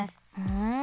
うん。